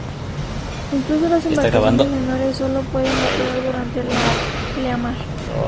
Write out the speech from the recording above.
Incluso las embarcaciones menores sólo pueden operar durante la pleamar.